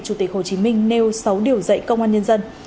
chủ tịch hồ chí minh nêu sáu điều dạy công an nhân dân